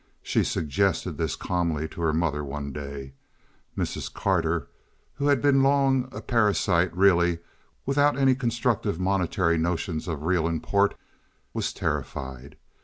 She suggested this calmly to her mother one day. Mrs. Carter, who had been long a parasite really, without any constructive monetary notions of real import, was terrified.